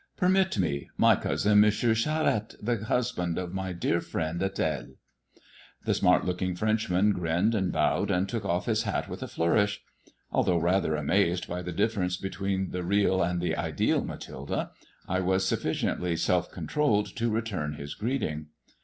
Permit me — my cousin^ M. Charette, the lusband of my dear friend Ad^le.'* The smart looking Frenchman grinned and bowed, and K>ok o£E his hat with a floiu'ish. Although rather amazed ■yj the difference between the real and the ideal Mathilde, [ was sufficiently self controlled to return his greeting.